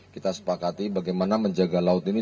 kita sepakati bagaimana menjaga laut ini